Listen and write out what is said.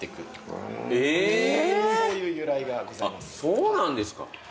そうなんですか。